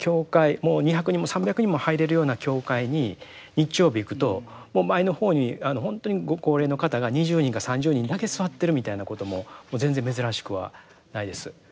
もう２００人も３００人も入れるような教会に日曜日行くと前の方にあの本当にご高齢の方が２０人か３０人だけ座ってるみたいなことも全然珍しくはないです。